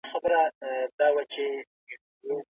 بېکن د پروسس شوې غوښې یوه بڼه ده.